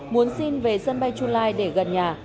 muốn xin về sân bay chu lai để gần nhà